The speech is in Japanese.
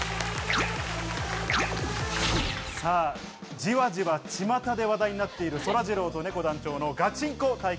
じわじわ、ちまたで話題になっている、そらジローとねこ団長のガチンコ対決。